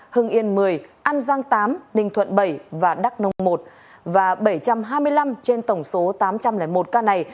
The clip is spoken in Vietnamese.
hưng yên một mươi an giang tám ninh thuận bảy và đắk nông một và bảy trăm hai mươi năm trên tổng số tám trăm linh một ca này